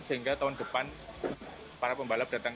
sehingga tahun depan para pembalap datang